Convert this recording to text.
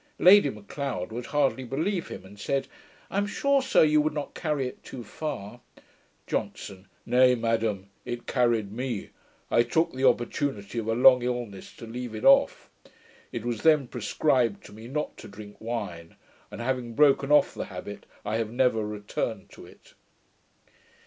Lady M'Leod would hardly believe him, and said, 'I am sure, sir, you would not carry it too far.' JOHNSON. 'Nay, madam, it carried me. I took the opportunity of a long illness to leave it off. It was then prescribed to me not to drink wine; and having broken off the habit, I have never returned to it.'